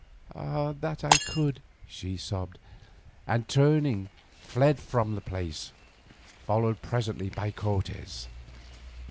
"Ah that I could!" she sobbed, and turning fled from the place, followed presently by Cortes.